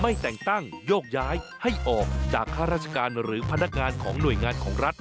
แต่งตั้งโยกย้ายให้ออกจากข้าราชการหรือพนักงานของหน่วยงานของรัฐ